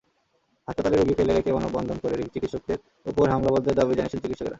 হাসপাতালে রোগী ফেলে রেখে মানববন্ধন করে চিকিৎসকদের ওপর হামলা বন্ধের দাবি জানিয়েছেন চিকিৎসকেরা।